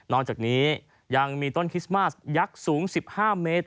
นอกจากนี้ยังมีต้นคิสมาสยักดิ์สูง๑๕เมตร